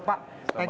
pak edi gimana pak